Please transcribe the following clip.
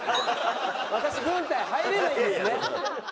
「私軍隊入れないんですね」。